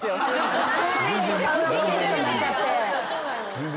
全然。